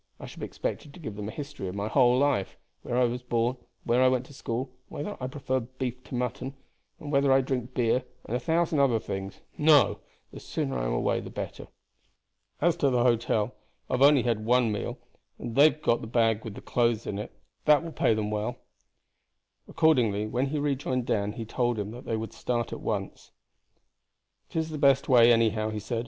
I shall be expected to give them a history of my whole life; where I was born, and where I went to school, and whether I prefer beef to mutton, and whether I drink beer, and a thousand other things. No; the sooner I am away the better. As to the hotel, I have only had one meal, and they have got the bag with what clothes there are; that will pay them well." Accordingly when he rejoined Dan he told him that they would start at once. "It is the best way, anyhow," he said.